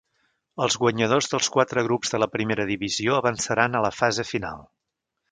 Els guanyadors dels quatre grups de la primera divisió avançaran a la fase final.